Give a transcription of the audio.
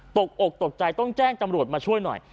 ตกอกตกใจต้องแจ้งตำรวจมาช่วยหน่อย